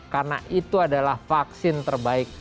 karena itu adalah vaksin terbaik